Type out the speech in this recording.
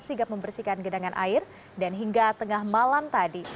sigap membersihkan gedangan air dan hingga tengah malam tadi